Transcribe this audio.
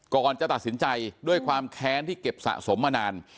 ก่อนจะตัดสินใจด้วยความแค้นที่เก็บสะสมมานาน